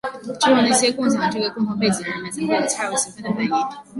只有那些共享这个共同背景的人们才会有恰如其分的反应。